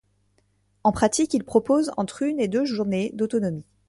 En pratique, il propose entre une et deux journées d'autonomie.